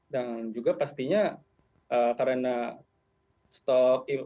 dan juga pastinya karena stok